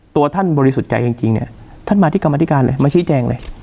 ตัวท่านบริสุทธิ์ใจจริงเนี่ยท่านมาที่กรรมธิการเลยมาชี้แจงเลย